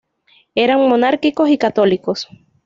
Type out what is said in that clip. Eran monárquicos y católicos.